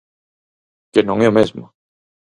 Que non é o mesmo.